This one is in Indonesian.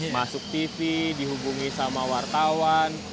masuk tv dihubungi sama wartawan